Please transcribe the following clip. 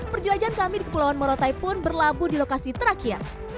perjalanan kami di kepulauan morotai pun berlabuh di lokasi terakhir